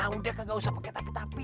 udah kak gak usah pake tapi tapi